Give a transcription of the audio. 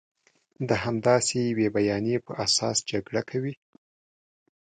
د همداسې یوې بیانیې په اساس جګړه کوي.